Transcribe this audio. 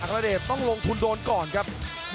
อากาถรัวต้องลงทุลโดนก่อนครับ